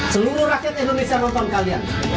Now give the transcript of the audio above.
seluruh rakyat indonesia nonton kalian